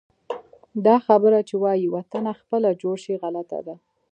دا خبره چې وایي: وطنه خپله جوړ شي، غلطه ده.